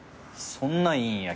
そんないいんや？